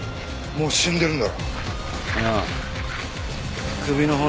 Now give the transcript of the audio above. もう死んでるんだ。